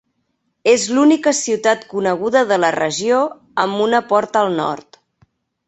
És l'única ciutat coneguda de la regió amb una porta al nord.